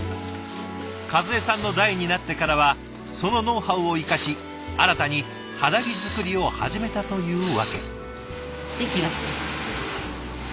和江さんの代になってからはそのノウハウを生かし新たに肌着作りを始めたというわけ。